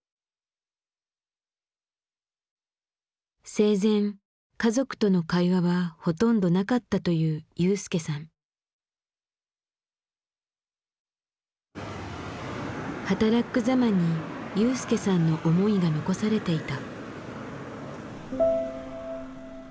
生前家族との会話はほとんどなかったという雄介さん。はたらっく・ざまに雄介さんの思いが残されていた。